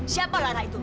siapa lara itu